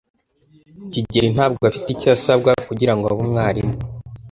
kigeli ntabwo afite icyo asabwa kugirango abe umwarimu.